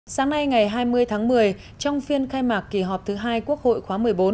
sáng nay ngày hai mươi tháng một mươi trong phiên khai mạc kỳ họp thứ hai quốc hội khóa một mươi bốn